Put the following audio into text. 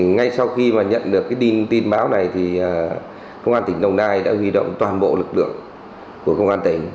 ngay sau khi nhận được tin báo này công an tỉnh long nai đã huy động toàn bộ lực lượng của công an tỉnh